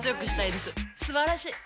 すばらしい！